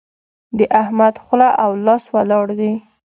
د احمد خوله او لاس ولاړ دي.